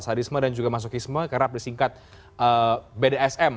sadisme dan juga masokisme kerap disingkat bdsm